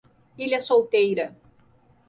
Ilha Solteira